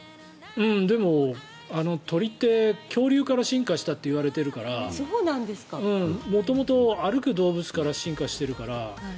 でも、鳥って恐竜から進化したって言われてるから元々、歩く動物から進化してるから。